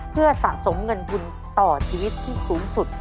เพื่อสะสมเงินทุนต่อชีวิตที่สูงสุด